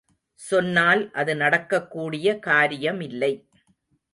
சொன்னால் அது நடக்கக்கூடிய காரியமில்லை.